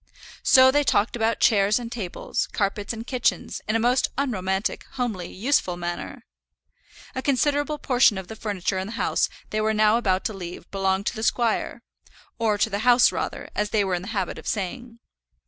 So they talked about chairs and tables, carpets and kitchens, in a most unromantic, homely, useful manner! A considerable portion of the furniture in the house they were now about to leave belonged to the squire, or to the house rather, as they were in the habit of saying.